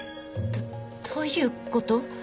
どどういうこと？